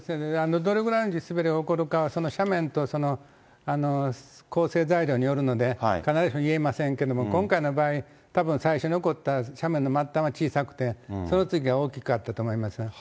どれぐらいの地滑りが起こるかはその斜面とこうせい材料に寄るので必ずしも言えませんけれども、今回の場合、たぶん最初に起こった斜面の末端は小さくて、その次が大きかったと思いますね。